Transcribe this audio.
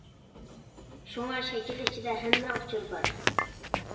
شۇڭا شەكىل ئىچىدە ھەممە ئۇچۇر بار.